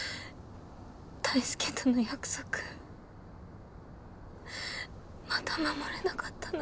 大輔との約束また守れなかったな。